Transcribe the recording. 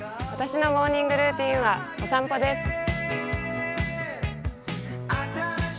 私のモーニングルーティンはお散歩です。